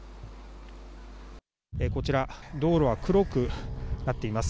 こちら、道路は黒くなっています。